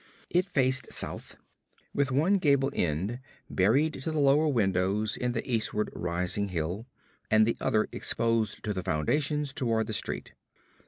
It faced south, with one gable end buried to the lower windows in the eastward rising hill, and the other exposed to the foundations toward the street.